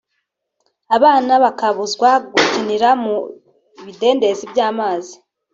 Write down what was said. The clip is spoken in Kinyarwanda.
Abana bakabuzwa gukinira mu bidendezi by’amazi